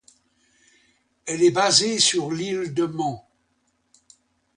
Elle est basée sur l'Île de Man.